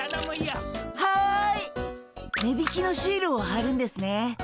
値引きのシールをはるんですね。